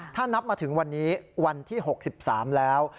ถ้านับมาถึงวันนี้วันที่๖๓แล้ว